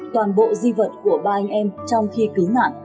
toàn bộ di vật của ba anh em trong khi cứu nạn